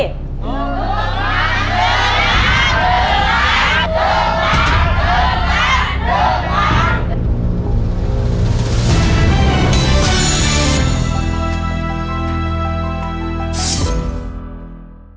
ลูกภาพลูกภาพลูกภาพลูกภาพลูกภาพลูกภาพ